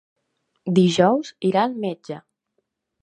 Dijous irà al metge.